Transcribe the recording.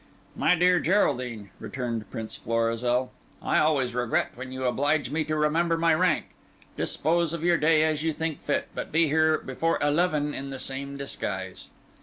"My dear Geraldine," returned Prince Florizel, "I always regret when you oblige me to remember my rank. Dispose of your day as you think fit, but be here before eleven in the same disguise."